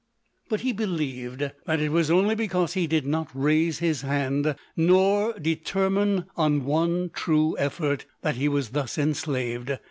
But he believed that it was only because he did not raise his hand, nor determine on one true effort, that he was thus enslaved.